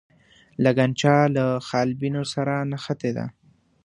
لګنچه له حالبینو سره نښتې ده.